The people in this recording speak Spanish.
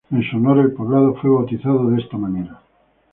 En su honor, el poblado fue bautizado de esta manera.